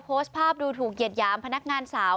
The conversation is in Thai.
โพสต์ภาพดูถูกเหยียดหยามพนักงานสาว